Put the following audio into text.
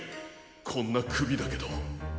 こんなくびだけど。